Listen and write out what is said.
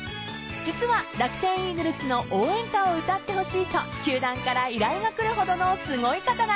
［実は楽天イーグルスの応援歌を歌ってほしいと球団から依頼が来るほどのすごい方なんです］